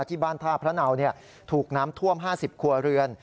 ที่บ้านท่าพระเนาถูกน้ำท่วม๕๐ครัวเรือน